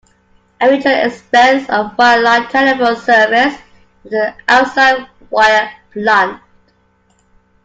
A major expense of wire-line telephone service is the outside wire plant.